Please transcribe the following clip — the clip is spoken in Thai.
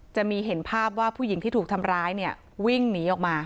จะมีเห็นภาพว่าผู้หญิงที่ถูกทำร้ายเนี่ยวิ่งหนีออกมา